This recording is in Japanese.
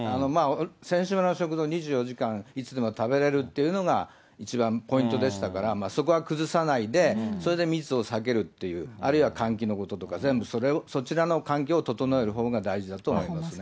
選手村の食堂、２４時間いつでも食べれるというのが一番ポイントでしたから、そこは崩さないで、それで密を避けるという、あるいは換気のこととか、全部そちらの環境を整えるほうが大事だとは思いますね。